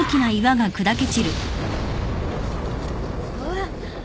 あっ？